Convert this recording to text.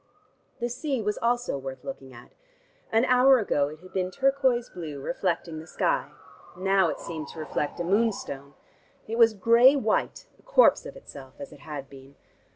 The sea was also worth looking at. An hour ago it had been turquoise blue, reflecting the sky. Now it seemed to reflect a moonstone. It was gray white, a corpse of itself, as it had been.